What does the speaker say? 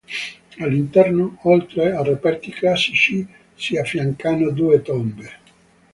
All'interno, oltre a reperti classici si affiancano due tombe.